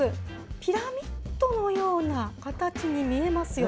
ピラミッドのような形に見えます